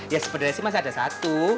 ya sebenarnya sih masih ada satu